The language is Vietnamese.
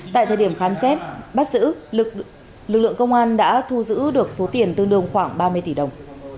tại thời điểm khám xét bắt giữ lực lượng công an đã thu giữ được số tiền tương đương khoảng ba mươi tỷ đồng